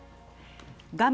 画面